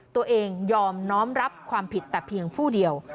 ตัวเองยอมน้อมรับความผิดแต่เพียงผู้เดียว